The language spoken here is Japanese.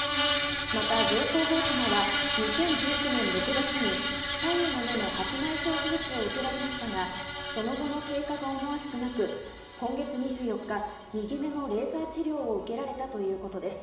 また、上皇后さまは２０１９年６月に左右の目の白内障手術を受けられましたが、その後の経過がおもわしくなく、今月２４日、右目のレーザー治療を受けられたということです。